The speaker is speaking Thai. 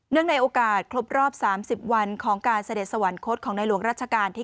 ในโอกาสครบรอบ๓๐วันของการเสด็จสวรรคตของในหลวงรัชกาลที่๙